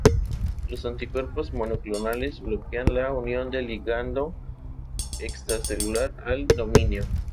Los anticuerpos monoclonales bloquean la unión del ligando extracelular al dominio.